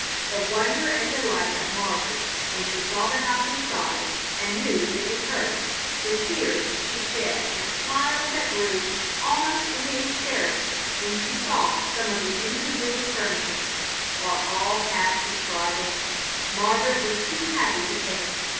The wonder and delight of Margaret when she saw the house inside and knew that it was hers, the tears she shed and smiles that grew almost into hysterics when she saw some of the incongruous furnishings, are all past describing. Margaret was too happy to think.